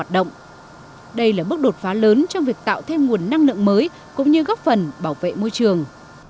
đây là bước đột phá lớn trong việc tạo thêm nguồn năng lượng mới cũng như góp phần bảo vệ môi trường